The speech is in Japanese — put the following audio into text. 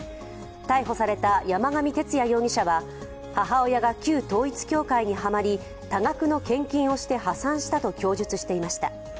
逮捕された山上徹也容疑者は母親が旧統一教会にはまり、多額の献金をして破産したと供述していました。